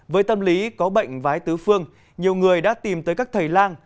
với tâm lý có bệnh vái tứ phương nhiều người đã tìm tới các thầy lang